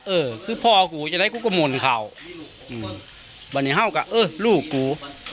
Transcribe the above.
เออคือพ่อหูจะได้กูก็หม่นเขาอืมวันนี้เขาก็เออลูกกู